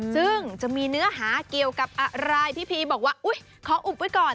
ซึ่งจะมีเนื้อหาเกี่ยวกับอะไรพี่พีบอกว่าอุ๊ยขออุบไว้ก่อน